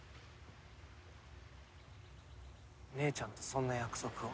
姉ちゃんとそんな約束を？